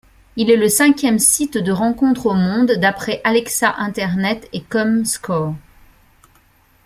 Il est le cinquième site de rencontres au monde, d'après Alexa Internet et comScore.